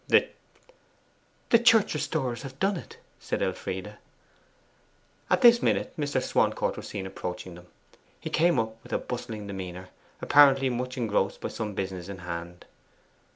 'The church restorers have done it!' said Elfride. At this minute Mr. Swancourt was seen approaching them. He came up with a bustling demeanour, apparently much engrossed by some business in hand.